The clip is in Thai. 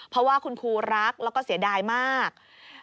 เพราะว่าคุณครูรักแล้วก็เสียดายมาก